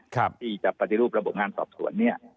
ที่จะปฏิรูประบบงานสอบสวนเนี่ย